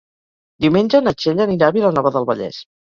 Diumenge na Txell anirà a Vilanova del Vallès.